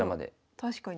確かに。